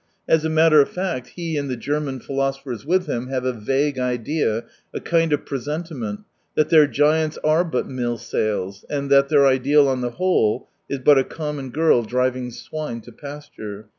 As a matter of fact, he and the German philoso phers with him have a vague idea, a kind of presentiment, that their giants are but mill sails, and that their ideal on the whole is but a common girl driving swine to pasture.